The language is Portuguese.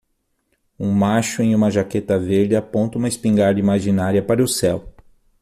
Um macho em uma jaqueta verde aponta uma espingarda imaginária para o céu.